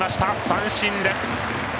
三振です。